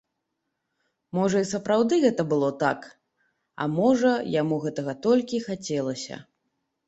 Можа, і сапраўды гэта было так, а можа, яму гэтага толькі хацелася.